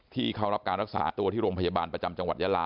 ที่เขารับการรักษาตัวที่โรงพยาบาลประจำจังหวัดยาลา